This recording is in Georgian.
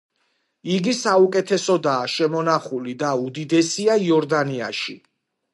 იგი საუკეთესოდაა შემონახული და უდიდესია იორდანიაში.